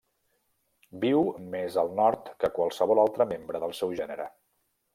Viu més al nord que qualsevol altre membre del seu gènere.